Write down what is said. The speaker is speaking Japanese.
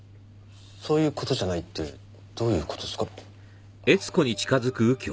そういう事じゃないってどういう事っすか？